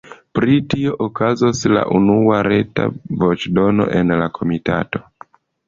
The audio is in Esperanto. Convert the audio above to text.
Pri tio okazos la unua reta voĉdono en la komitato.